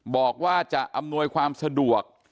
บอกว่าจะอำนวยความสะดวก